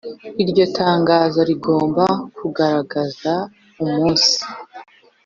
Iryo tangazo rigomba kugaragaza umunsi